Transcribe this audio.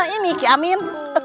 itu dia min